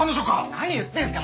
何言ってんすか！